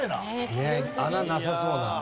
ねえ穴なさそうな。